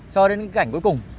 cho đến cái cảnh cuối cùng